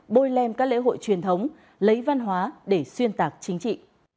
bôi lem các lễ hội truyền thống lấy văn hóa để xuyên tạc chính trị